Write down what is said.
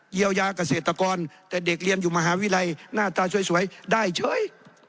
เยียวยากเศรษฐกรแต่เด็กเรียนอยู่มหาวิรัยหน้าตาสวยสวยได้เฉย